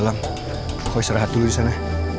helang kau istirahat dulu disana